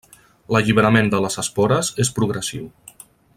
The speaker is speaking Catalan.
L'alliberament de les espores és progressiu.